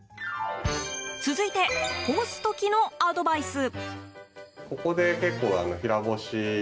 続いて干す時のアドバイス。